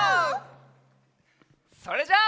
それじゃあ。